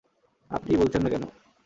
আপনিই বলছেন না কেন?